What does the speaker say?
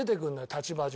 立場上。